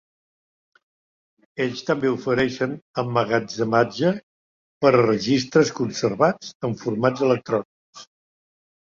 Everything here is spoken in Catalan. Ells també ofereixen emmagatzematge per a registres conservats en formats electrònics.